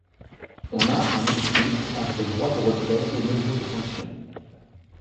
On a un équilibre entre droit de retrait et mesure de sanctions.